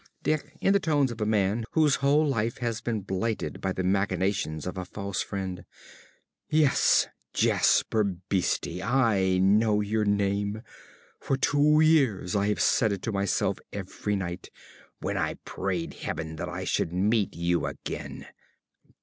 ~Dick~ (in the tones of a man whose whole life has been blighted by the machinations of a false friend). Yes, Jasper Beeste, I know your name. For two years I have said it to myself every night, when I prayed Heaven that I should meet you again.